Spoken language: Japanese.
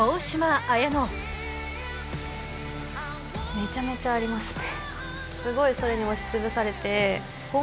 めちゃめちゃありますね